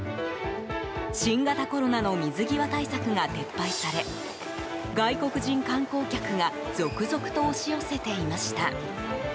新型コロナの水際対策が撤廃され外国人観光客が続々と押し寄せていました。